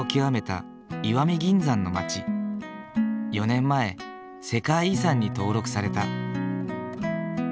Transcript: ４年前世界遺産に登録された。